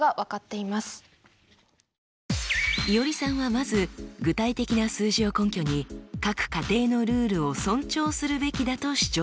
いおりさんはまず具体的な数字を根拠に各家庭のルールを尊重するべきだと主張しました。